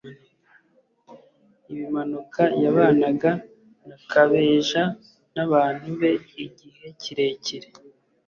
ibimanuka yabanaga na kabeja nabantu be igihe kirekire